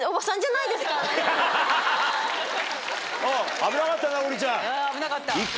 危なかったな王林ちゃん。